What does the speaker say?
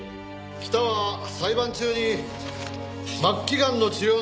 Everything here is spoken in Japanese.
北は裁判中に末期がんの治療のために入院。